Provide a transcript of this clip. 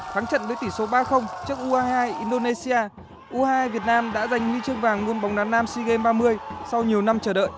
thắng trận với tỷ số ba trước u hai mươi hai indonesia u hai mươi hai việt nam đã giành huy chương vàng môn bóng đá nam sea games ba mươi sau nhiều năm chờ đợi